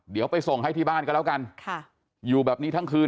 เดี๋ยวไปส่งให้ที่บ้านก็แล้วกันค่ะอยู่แบบนี้ทั้งคืน